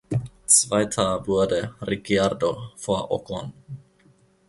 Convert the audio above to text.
Zweiter wurde Ricciardo vor Ocon.